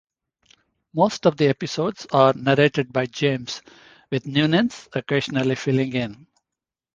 Most of the episodes are narrated by James, with Nunez occasionally filling in.